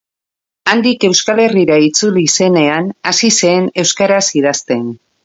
Handik Euskal Herrira itzuli zenean hasi zen euskaraz idazten.